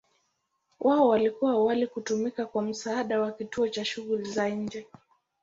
Wao walikuwa awali kutumika kwa msaada wa kituo cha shughuli za nje.